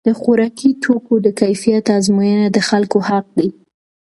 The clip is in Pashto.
د خوراکي توکو د کیفیت ازموینه د خلکو حق دی.